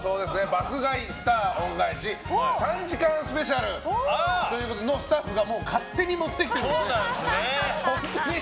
「爆買い☆スター恩返し」３時間スペシャルということでスタッフが勝手に持ってきて。